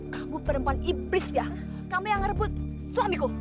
kamu perempuan iblis ya kamu yang ngerebut suamiku